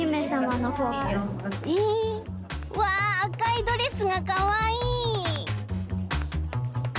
へえわああかいドレスがかわいい。